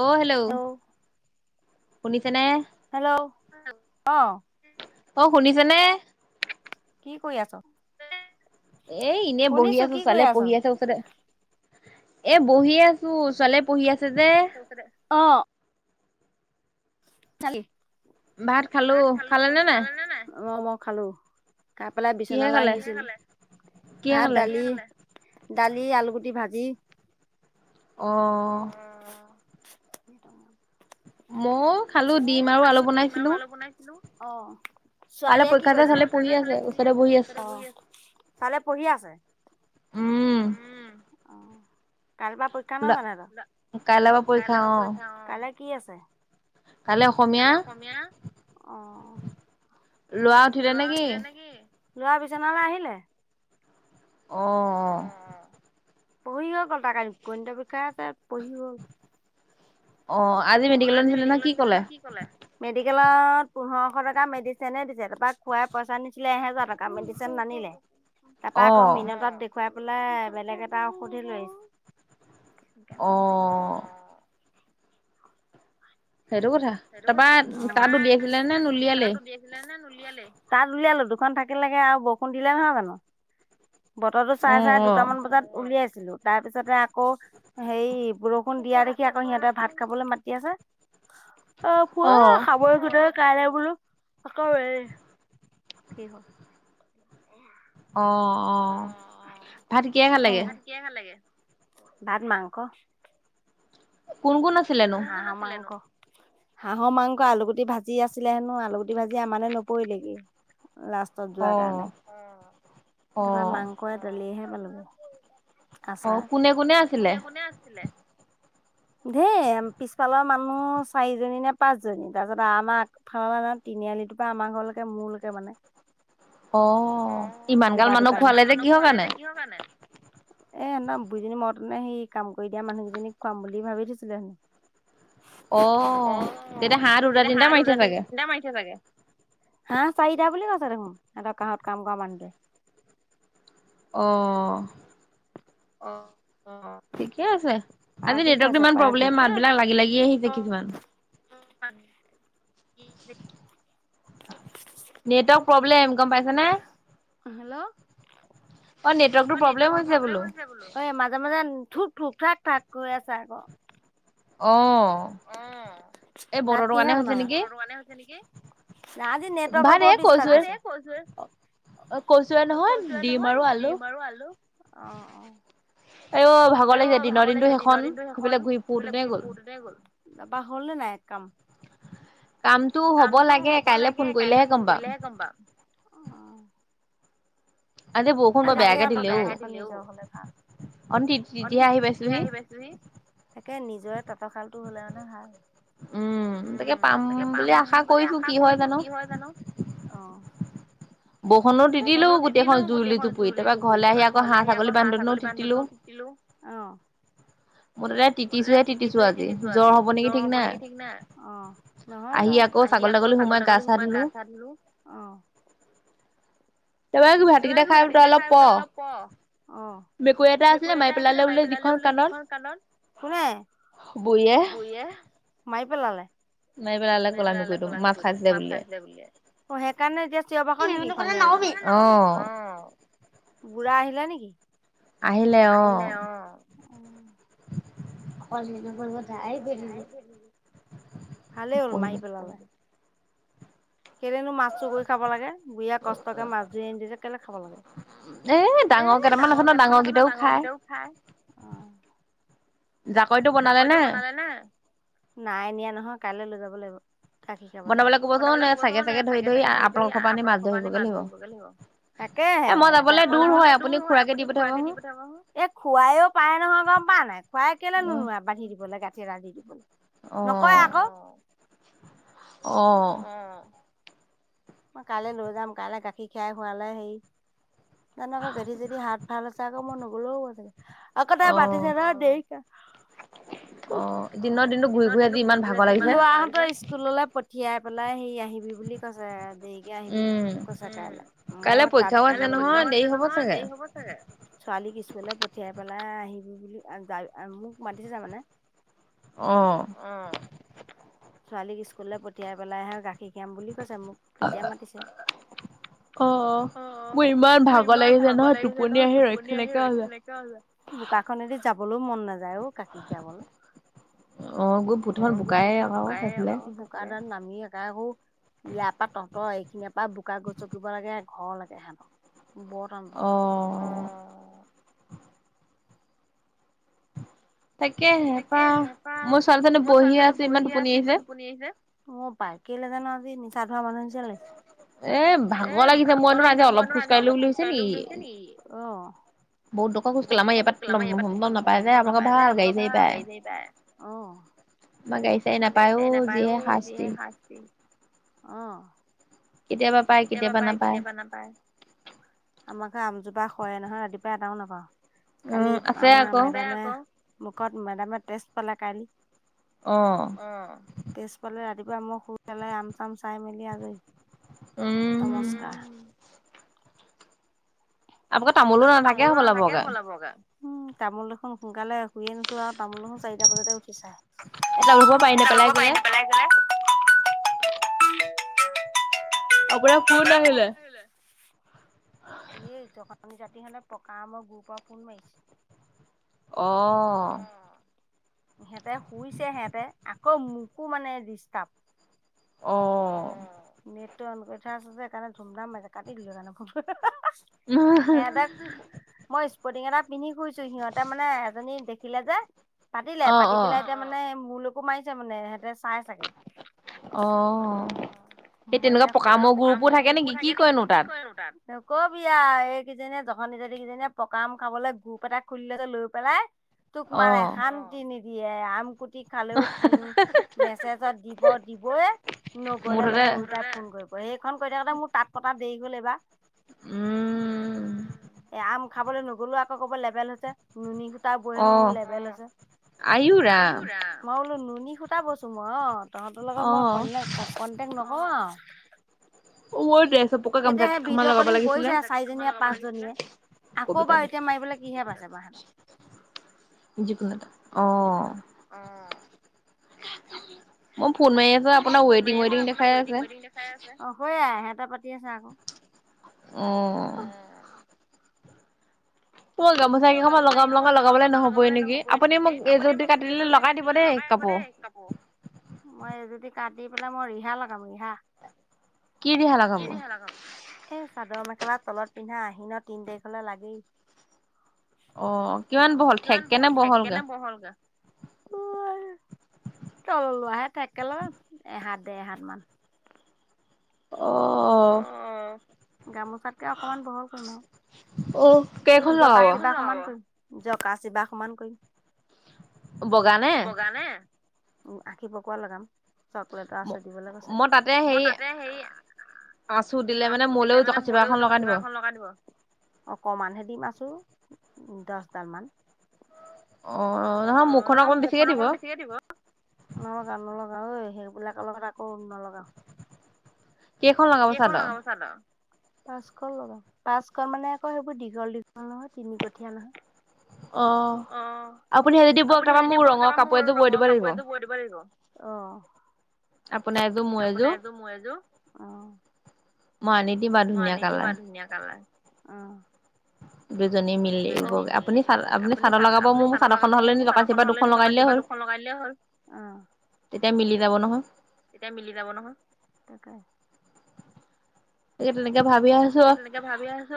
অ hello, শুনিছেনে? Hello অ অ শুনিছে নে? কি কৰি আছ? এ এনে বহি আছো চালে পঢ়ি আছে ওচতে। এ বহি আছো ছোৱালিৱে পঢ়ি আছে। অ খালি ভাত খালো খালে নে নাই অ মই খালো। খাই পেলাই বিচনালা আহিছিলো, ভাত দালি। দালি আলুগুটি ভাজি। অ, সেইট [unintelligible] মই খালো ডিম আৰু আলু বনাইছিলো। অঁ ছোৱালীয়ে কি কৰিছে? অ পঢ়ি আছে। উম কালে পৰা পৰীক্ষা ন জানো সিহঁতৰ? কাইলে কি আছে? কাইলৈ অসমীয়া। লৰা উঠিলে নেকি? লৰা বিছনালে আহিলে। অ পঢ়ি হৈ গ'ল ত কালি গণিতৰ পৰীক্ষা আছে পঢ়ি গল। অ আজি মেডিকেলত নিছিলে ন কি কলে? কেলত পোন্ধৰশ টকা মেডিচিনে দিছে। তাৰপাক খুৱাই পইচা নিছিলে এহেজাৰ টকা মেডিচিন নানিলে। তাৰপা আকৌ মিন তাত দেখুৱাই। বোলে বেলেগ এটা ঔষধি লৈছে। অ', [unintelligible] সেইটো কথা তাৰপা তাত উলিয়াইছিলে নে নুলিয়ালিয়েই। উলিয়ালে তাত উলিয়ালো দুখন থাকিল লাগে আৰু বৰষুণ দিলে নহয় জানো। বতৰো চাৰে চাৰে দুটামান বজাত উলিয়াইছে। ছিলো তাৰ পিছতে আকৌ হে বৰষুণ দিয়া দেখি আকৌ সিহঁতে ভাত খাবলৈ মাতি আছে। অ পুৱা সামৰিক গোটৰ কাৰণে বোলো আকৌ কি হল? অ [inaudible] অ অ ভাত কিহে খালে গে? ভাত মাংস। হাঁহ মাংস। হাঁহৰ মাংস আলুগুটি ভাজি আছিলে হেনো আলুগুটি ভাজি আমাৰে নপৰিলেগে। লাষ্টত যোৱাৰ কাৰণে তাপা মাংস দালিহে পালো। [inaudible] আছা অ কোনে কোনে আছিলে? হেই পিছফালৰ মানুহ চাৰিজনী নে পাঁচজনী তাৰপিছত আমাৰগফাল য তিনিআলিটোৰ পৰা আমাৰ ঘৰলৈকে মোৰলৈকে মানে। আহ ইমান গাল মানুহ খোৱালে যে কিহৰ কাৰণে? এ ন বুই জনী মৰোত নে সেই কাম কৰি দিয়া মানুহকজনী খুৱাম বুলি ভাবি থৈছে [unintelligible] অ তেতিয়া হাঁহ দুটা তিনিটা মাৰিছে চাগে হা চাৰিটা বুলি কৈছে দেখোন সহঁতক কাহত কাম কৰা মানুহটোৱে। অ। অ। ঠিকে আছে আজি নেটৱৰ্ক ইমান প্ৰব্লেম মাত বিলাক লাগি লাগি আহিছে কিছুমান। [unintelligible] উ [unintelligible] বোলে এম গম পাইছ নে? লাজে মাজে থুপ থুপ থাক থাক কৈ আছে আকৌ। অ। অ ভাত কিহে বনালা। ন আজি নেট বত কচ অ কচুৱৰে নহয় দিম আৰু আলু। অ অ। এই ভাগৰ লাগিছে দিনৰ দিনটো সেইখন সেইফালে ঘূৰি পুৰোৰ তেনেই গ'ল। তাপা হল নে নাই কাম। কামটো হ'ব লাগে কাইলৈ ফোন কৰিলেহে গম পাম। অতিে আহি পাইছোহি তাকে নিজৰে ততৰশালো হলে মানে ভাল উম তাকে পাম বুলি আশা কৰিছো কি হয় জানো অ বৰষুণো তিতিলো গোটেইহল জু হল-জুৰুলি চুপুৰি তাৰপৰা ঘৰলে আহি আকৌ হাঁহ ছাগলী বান্ধোতেও তিতিলো মই ততে তিতিছোয়ে তিতিছো আজি জ্বৰ হব নেকি ঠিক নাই। অ', নহয় জা। আহি আকৌ ছাগল-টাগলী সোমাই গা-চা ধুলো। অ, এইবাৰ তই [unintelligible] কেইটা খাই ওলটা অলপ পঢ় অ, মেকুৰী এটা আছিলে মাৰি পেলালে বোলে যিখন কাণত। কোনে? বুঢ়িয়ে মা পেলালে নাই [unintelligible] মাছ খাইছিলে বুলিয়ে। অ', সেইকাৰণে এ চিঞৰ-বাখৰ নেকি? সন্ধিয়াৰ [unintelligible] অ', বুঢ়া আহি নেকি? আহিলে অ, উম। [unintelligible] ভালেই হ'ল মাৰি পেলালে। কেলেনো মাছটো গৈ খাব লাগে! বুঢ়িয়ে কষ্টকে মাছ ধৰি আনি দিছে কেলে খাব লাগে। এ, ডাঙৰ কেইটামান আছে ন ডাঙৰ কেইটাও খায়। অ'। বনালে নে? নাই নিয়া নহয়, কাইলৈ লৈ যাব লাগিব। গাখিৰ খাব-বনাবলৈ কবচোন এ-চাগে চাগে ধৰি ধৰি আপোনালোকৰ পৰা আনি মাছ ধৰিব [unintelligible] তাকে জাকৈখন, এ মোৰ যাবলৈ দূৰ হয় আপুনি খুৰাকে দি পঠাব। এ-খুৰাইয়ো পাৰে নহয় গম পানে নাই খুৰা কেলে নোলোৱা বাহি দিব [unintelligible] নকয় আকৌ অ। মই কাইলে লৈ যাম, কাইলৈ গাখীৰ খাই শুৱালে হেৰি, জেনেকুৱা গেধি-যেদি হাত ভাল হৈছে আকৌ মই নগলেও হ'ব চাগে। আকৌ তাই পাতিছে ন দেৰিকৈ। অ, দিনৰ দিনটো ঘূৰি ঘুৰি আজি, লৰাহতৰ স্কুললৈ প ঠিয়াই পেলাই সেই আহিবি বুলি কৈছে দেৰিকে আহিবি কৈছে কাইলৈ, উম। মই তাত [unintelligible] কাইলৈ পৰিক্ষাও আছে নহয় দেৰি হ'ব চাগে! ছোৱালীক স্কুললে পঠিয়াই প আহিবি বুলি অ-য-অ-মোক মাতিছে তাৰমানানে অ'। ছোৱালীক স্কুললৈ পঠিয়াই পেলাইহে গা শিকিয়াম বুলি কৈছে মোক। তেতিয়া মাতিছে, অ', মোৰ ইমান ভাগৰ লাগিছে নহয় টোপনি আহি ৰক্ষা [unintelligible] বোকাখনেদি যাবলৈও মন নাযায় অ, [unintelligible] অ, গ-গধুৰ বোকায়ে আকৌ নামি একা-ইয়াত তহঁতৰ এইখিনিৰ পৰা বোকা গছকিব লাগে ঘৰলৈকে হেনো। বৰ টান পাওঁ, অ'। তাকে পা ছোৱালীজনী বহিয়ে আছে ইমান টোপনি আহিছে। অ', পাই কেলো জানো আজি নিচা খোৱা মানুহ নিচিনা লাগি এ ভাগৰ লাগিছে মই ন' আজি অলপ খোজ কঢ়িলো বুলি কৈছে নেকি অ'। বহুত দখৰ খোজখন আমাৰাতম নাপাই যে আপোনালোকৰ ভাল গাড়ী যায় গাড়ী চাৰী পায় অ', মই গাড়ী চাড়ী নাপায়ও যিহে শাস্তি। কেতিয়াবা পায়, কেতিয়াবা নাপায়। আমাৰকে আমজোপা সৰে নহয় ৰাতিপুৱা এটাও নাপাওঁ। কালি আমা মানে মুখত মেদামে তেজ পালে কালি। অ', টেষ্ট পালে [unintelligible] [unintelligible] মই শুই পেলাই আম চাম চাই মেলি আজৰি। [unintelligible] তামোলবোৰ নাথাকে হবলা। [unintelligible] উম তামোল দেখোন সোনকালে শুইয়ে নুঠো, আৰু তামোল দেখোন চাৰিটা বজাতে উঠি চাই। [unintelligible] পাৰি নেপেলাই কেলে। আপোনাৰ ফোন আহিলে। [unintelligible] [unintelligible] জাতি হলে পকা আমৰ গুৰু পৰা ফোন মাৰিছে। অ'। সিহঁতে শুইছে সিহঁতে, আকৌ মোকো মানে ডিষ্টাৰ্ব উম। [unintelligible] [unintelligible] ধুম ধাম মাৰিছে, কাটি দিলোঁ সেইকাৰণে [unintelligible] [unintelligible] মই স্পৰ্টিং এটা পিন্ধি শুইছো, সিহঁতে মানে এজনী দেখিলে যে। পাতিলে, পাতি পেলাই এতিয়া মানে মোৰ লো কমাইছে মানে [unintelligible] [unintelligible] চাগে, উম, মই এতিয়া, তেনেকুৱা পকা আমৰ [unintelligible] থাকে নেকি, কি কৰেনো তাত? নকবি আৰু, এই কিজনিয়ে [unintelligible] কিজনিয়ে পকা আম খাবলৈ গ্ৰুপ এটা খুলি লৈছে, লৈ পেলাই তোক মানে শান্তি নি দিয়ে আম ুি খালেও ফোন মেজত দিব দিবে নগলে মানে উ ফোন কৰিব সখন াকতে মোৰ তাঁত কতাত দেৰি গ'ল এবাৰ উম আম খাবলৈ নগ'লও আকৌ কব লেবেল হৈছে নুনু তাৰ বহেনো মোৰ লেবেলছে মই বোলো নুন সুতা বছো মই অ তহঁতৰ লগত মই কট কণ্টেক্ট নকৰো [inaudible] এতিয়া সেই ভিডিঅ' কলিং কৰিছে চাৰিজনীয়ে পাঁচজনীয়ে আকৌ বাৰু এতিয়া মাৰিবলৈ কিহে পাইছে বাহতকোন আহ উ মই ফোন মাৰি আছো আপোনাৰ ৱেটিং ৱেটিং দেখাই আছে হ এটা পাতি আছা আকৌ উ মই গামোচা কেইখনমান লগাম লগাম লগাবলে নহবই নেকি আপুনি মোক এইযোৰ দি কাটি দিলে লগাই দিব দেই কাপোৰ মই এই যদি কাটি পেলাই মই ৰিহা লগাম ৰিহা [inaudible] চাদৰ মেখেলা তলত পিন্ধা আহিনৰ তিন তাৰিখলৈ লাগেই অ কিমান বহল ঠেক কেনে বহল গে তল লোৱাাহে থাক ল এহাত দেৰহাত মান অ গামোচাতকে অকমান বহল কৰিম আৰু জকা চিপা অকমান কৰিম জকা চিবা সমান কৰিম বগানে উ আখি পকোৱা লগাম চকলেটৰ আছে দিবলৈ কৈছে মই তাতে হে চু দিলে মানে মোলেও কিবা এখন লগাই দিব অকণমানহে দিম আছো দহডালমান আহ নহয় মুখখন অকমান বেছিকে দিব ঐ সেইবিলাকৰ লগত আকৌ নলগাও কেইখন লগাব চাদৰ পাঁচখন লা পাঁচখন মানে আকৌ সেইবোৰ দীঘল দীঘল নহয় তিনি কঠীয়া নহয় অ আপুনি সিহঁতে দিব তাৰপৰা মোক ৰঙৰ কাপোৰ এটো বৈ দিব লাগিব আহঁ আপোনাৰ এযোৰ মই এযোৰ অ'। মই আনি দিম ধুনীয়া কালাৰ। অ। দুজনী মিলিব আপুনি চাদ আপুনি চাদৰ লগাব মোৰ চাদৰখন নহ'লে নি লগাই দিব দুখন লগাই দিলে হ'ল অ' এতিয়া মিলি যাব নহয়, তাকে। [unintelligible] তেনেকে ভাবি আছো,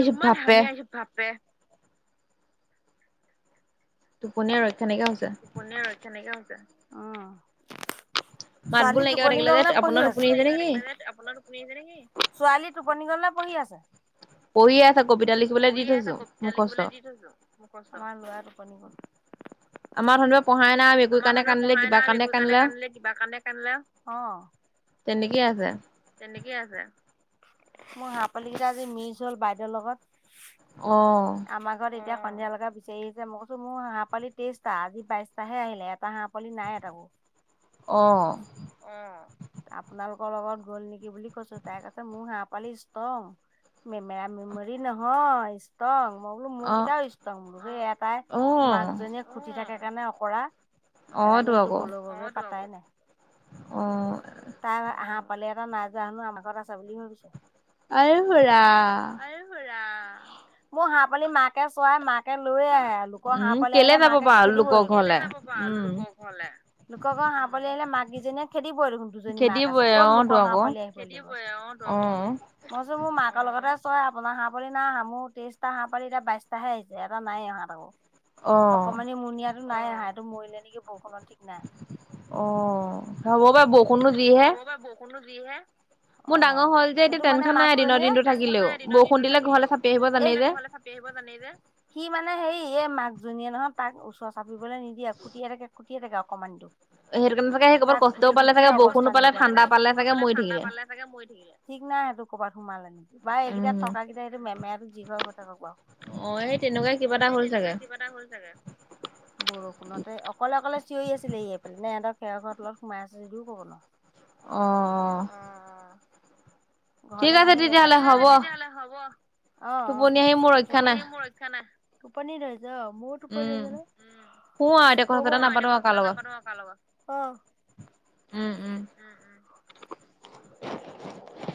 ইমান হামি আহিছো বাপৰে। টোপনীয়ে ৰ টোপনীয়ে ৰক্ষা নাইকীয়া হৈছে। ছোৱালী টোপনি গ'ল নে পঢ়ি আছে? আপোনাৰ টোপনি আছে নেকি? ছোৱালী টোপনি গল নে পঢ়ি আছে? পঢ়িয়ে আছে কবিতা লিখিবলে দি থৈছো। টোপনী গ'ল। আমাৰ হলে পঢ়াই নাই মেকুৰীৰ কাৰণে কান্দিলে কিবা কাৰণে কান্দিলে অ' তেনেকেই আছে। মোৰ হাঁহ পোৱালি কেইটা আজি মিছ হ'ল বাইদেউৰ লগত। অঁ। সন্ধিয়া লৈকে বিচাৰি আছে মই কৈছো মোৰ হাঁহ পোৱালি তেইছটা, আজি বাইশটাহে আহিলে এটা হাঁ পোৱালি নাই এ টাকো অ' আপোনালোকৰ মাকৰ লগত গ'ল নেকি বুলি কৈছো তাই কৈছে মোৰ হাঁহ পোৱালি ষ্ট্ৰং মেমেৰা মেমৰি নহয় ষ্ট্ৰং। মই বোলো মোৰ কেইটাও ষ্টং বোলো এটাই মাকজনীয়ে সেইকাৰণে অকৰা নেজানো এইটো কলৈ গ'ল বা পাতাই নাই। তাইৰ হাঁহ পোৱালি এটা নাই যোৱা নহয় আমাৰ ঘৰত আছে বুলি ভাবিছে। আয়ো ৰাম। মোৰ হাঁহ পোৱালি মাকে চৰায় মাক মাকে লৈ আহে লোকৰ হাঁহ পোৱালি আহিলে মাকে খেদিব আৰু, কেলে যাব বাৰু লোকৰ ঘৰলে লোকৰ ঘৰ হাঁহ পোৱালি মাককেইজনীয়ে খেদিবই দেখোন দুজনী মাক আছে ক'ত লোকৰ হাঁহ পোৱালি আহিব, খেদিবই অ'টো আকৌ মই কৈছো মোৰ মাকৰ লগতে অ' আপোনাৰ হাঁহ পোৱালি নাই আহা মোৰ তেইশটা হাঁহ পোৱালি এতিয়া বাইশটাহে আহিছে এটা নাই আহা তাকো। অকমানি মুনিয়া টো নাই আহাঁ। মৰিলে নেকি বৰুসোনত। অ' হ'ব বাৰ বৰষুনতো যিহে। জিহে। অ সেইটো মানে মাক জনিয়ে নাই দিনৰ দিন থাকিলেও বৰষুিলে ঘৰ চাপি আহিব জানেই যে সি মানে মানে হেৰিয় মাকজনীয়ে নহয় তাক ওচৰ চাপিবলৈ নিদিয়ে খুটিয় থাকে খুটিয় থাকে অকমান তোক। তাত খুটি খুটিয় অৱস্থা নাকিয়া কৰিচে বৰুালে াে মাকিলে ঠিক নাই সেইটো কৰবাত সোমালে নেকি বা এইকেই থকা কেই সটো মেমেৰাটো যি গৈ থাকক বাৰু অ সেই তেনেকুৱাই কিবা এটা হল চাগে। বৰষুণতে অকল অকলে চিওৰি আছিলেি এই পালে হঁতৰ খেৰৰ ঘৰত তলত মোমায় আছে জদিও কব নোৱাৰো। অ'। ঘৰলে নাহিলে পাই তেতিয়াহলে হ'ব অ অ টোপনি আহি মোৰ ৰশা নাই। টোপনী [unintelligible] মোৰ [unintelligible] [inaudible]